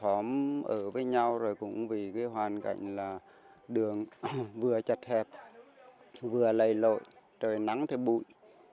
họ ở với nhau rồi cũng vì hoàn cảnh là đường vừa chật hẹp vừa lầy lội trời nắng thêm bụi